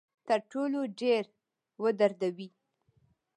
تر ټولو ډیر ودردوي.